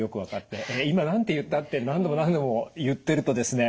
「えっ今何て言った？」って何度も何度も言ってるとですね